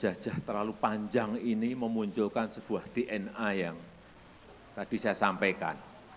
jajah terlalu panjang ini memunculkan sebuah dna yang tadi saya sampaikan